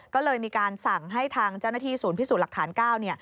ก็เลยมีการสั่งให้ทางเจ้าหน้าที่ศูนย์พิสูจน์หลักฐาน๙เนี่ย